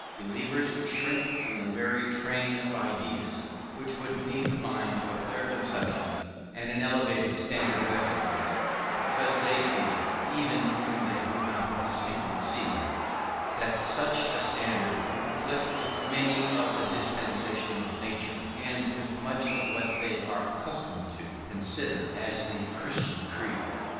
Believers shrink from every train of ideas which would lead the mind to a clear conception and an elevated standard of excellence, because they feel (even when they do not distinctly see) that such a standard would conflict with many of the dispensations of nature, and with much of what they are accustomed to consider as the Christian creed.